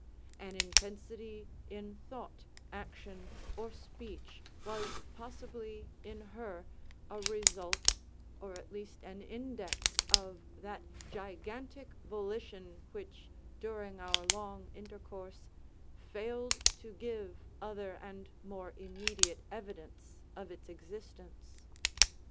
An intensity in thought, action, or speech, was possibly, in her, a result, or at least an index, of that gigantic volition which, during our long intercourse, failed to give other and more immediate evidence of its existence.